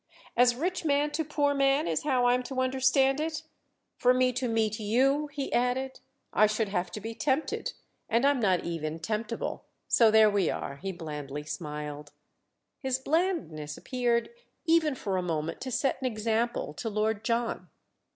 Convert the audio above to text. "As rich man to poor man is how I'm to understand it? For me to meet you," he added, "I should have to be tempted—and I'm not even temptable. So there we are," he blandly smiled. His blandness appeared even for a moment to set an example to Lord John.